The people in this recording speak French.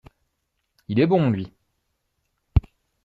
Il est bon, lui !